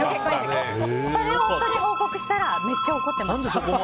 それを夫に報告したらめっちゃ怒ってました。